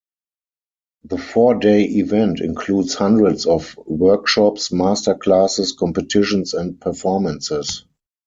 The four-day event includes hundreds of workshops, masterclasses, competitions, and performances.